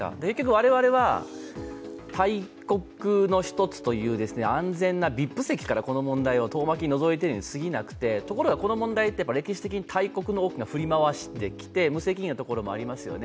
我々は、大国の一つという安全なＶＩＰ席からこの問題を遠巻きにのぞいているにすぎなくてところが、この問題というのは、歴史的に大国が振り回してきて、無責任なところもありますよね。